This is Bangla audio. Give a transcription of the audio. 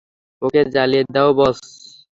ওকে জ্বালিয়ে দাও, বস।